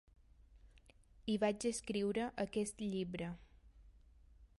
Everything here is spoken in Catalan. I vaig escriure aquest llibre.